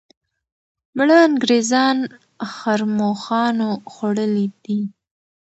مړه انګریزان ښرموښانو خوړلي دي.